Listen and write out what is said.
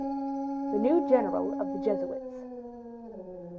The New General of the Jesuits.